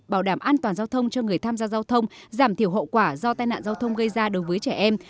bảo đảm an toàn giao thông cho người tham gia giao thông giảm thiểu hậu quả do tai nạn giao thông gây ra đối với trẻ em